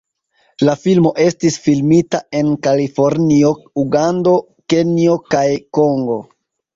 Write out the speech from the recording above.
La filmo estis filmita en Kalifornio, Ugando, Kenjo kaj Kongo.